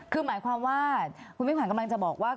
คือหมายความว่าคุณมิ่งขวัญกำลังจะบอกว่า